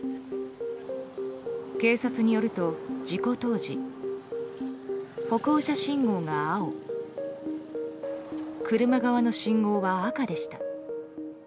警察によると、事故当時歩行者信号が青車側の信号は赤でした。